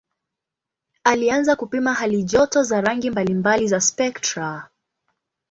Alianza kupima halijoto za rangi mbalimbali za spektra.